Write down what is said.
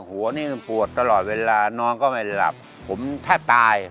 หัวนี่มันปวดตลอดเวลาน้องก็ไม่หลับผมแทบตาย